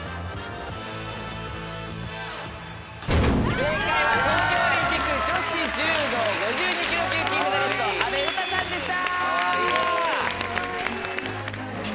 正解は東京オリンピック女子柔道５２ｋｇ級金メダリスト阿部詩さんでした。